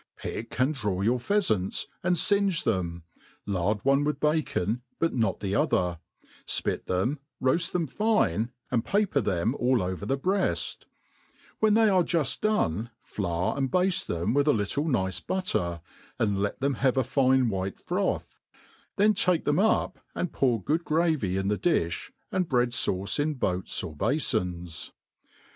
PICK and draw your pheafants, and finge them, lard one with bacon but not the other, fpit them, roaft them fine, and paper them all over the breaft; when they are juftdone, flour and bade them with a little nice butter, and let them have a fine white froth ; then take them up, and pour good gravy ia the difh, and bread fauce in boats or bafons.